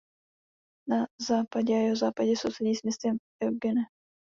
Na západě a jihozápadě sousedí s městem Eugene.